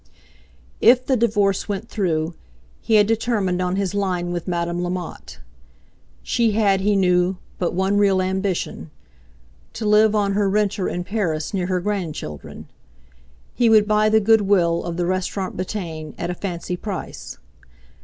If the divorce went through, he had determined on his line with Madame Lamotte. She had, he knew, but one real ambition—to live on her "rentes" in Paris near her grandchildren. He would buy the goodwill of the Restaurant Bretagne at a fancy price.